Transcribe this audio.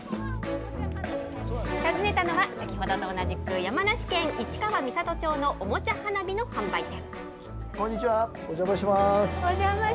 訪ねたのは、先ほどと同じく、山梨県市川三郷町のおもちゃ花火の販売店。